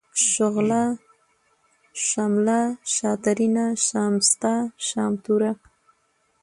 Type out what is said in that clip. شغله ، شمله ، شاترينه ، شامسته ، شامتوره ،